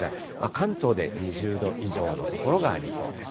関東で２０度以上の所がありそうです。